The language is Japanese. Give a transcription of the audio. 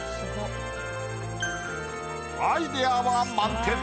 アイデアは満点。